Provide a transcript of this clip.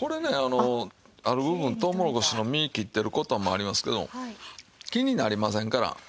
これねある部分とうもろこしの実切ってる事もありますけども気になりませんから。